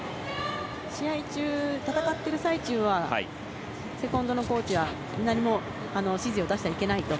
試合中、戦っている最中はセコンドのコーチは何も指示を出しちゃいけないと。